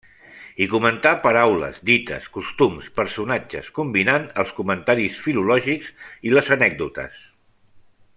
Hi comentà paraules, dites, costums, personatges, combinant els comentaris filològics i les anècdotes.